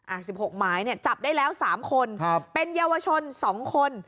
อ่ะ๑๖ไม้เนี่ยจับได้แล้ว๓คนเป็นเยาวชน๒คน